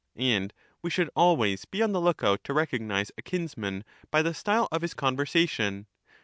And we should always be on the look out to recognize a kinsman by the style of his conversation.